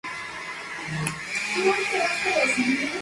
La segunda parte se divide en tres actos.